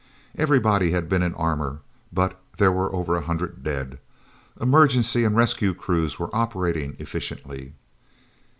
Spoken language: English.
Everybody had been in armor, but there were over a hundred dead. Emergency and rescue crews were operating efficiently.